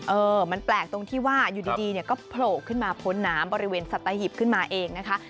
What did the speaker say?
เออมันแปลกตรงที่ว่าอยู่ดีเนี่ยก็โผล่ขึ้นมาพ้นน้ำบริเวณสัตหิบขึ้นมาเองนะคะ